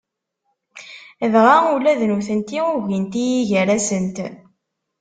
Dɣa ula d nutenti ugint-iyi gar-asent.